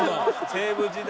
西武時代。